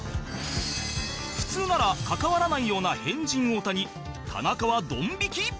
普通なら関わらないような変人太田に田中はドン引き？